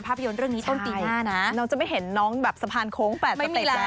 ภาพยนตร์เรื่องนี้นะคะคาดว่าจะใช้ระยะเวลาในการถ่ายธรรมประมาณ๒เดือนเสร็จนะคะ